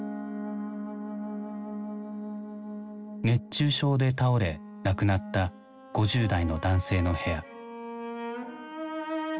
熱中症で倒れ亡くなった５０代の男性の部屋。